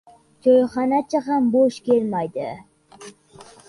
Choyxonachi ham bo‘sh kelmaydi.